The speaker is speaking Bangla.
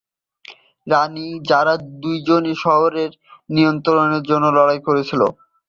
রাণী, যারা দুজনেই শহরের নিয়ন্ত্রণের জন্য লড়াই করছিল।